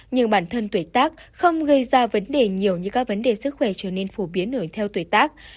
nhưng bản thân tuổi tác không gây ra vấn đề nhiều như các vấn đề sức khỏe trở nên phổ biến ở theo tuổi tác